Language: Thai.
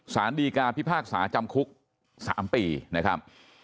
สารดีกาพิพากษาจำคุก๓ปีนะครับ